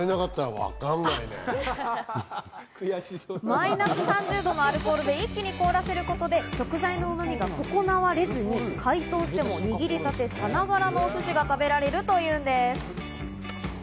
マイナス３０度のアルコールで一気に凍らせることで、食材のうま味が損なわれずに解凍しても握りたてさながらの寿司が食べられるというのです。